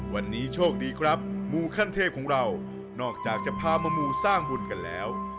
วันนี้โชคดีครับมูขั้นเทพของเรานอกจากจะพามามูสร้างบุญกันแล้ว